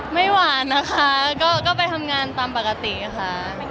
หวานนะคะก็ไปทำงานตามปกติค่ะ